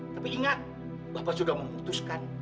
tapi ingat bapak sudah memutuskan